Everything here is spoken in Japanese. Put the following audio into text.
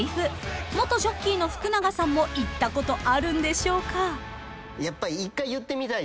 ［元ジョッキーの福永さんも言ったことあるんでしょうか？］